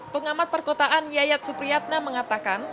pengamat perkotaan yayat supriyatna mengatakan